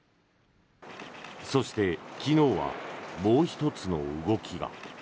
そして、昨日はもう１つの動きが。